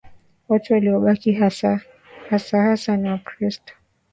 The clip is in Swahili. Watu waliobakia hasa hasa ni Wakristo